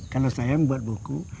kalau saya membuat buku